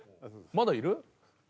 まだいる？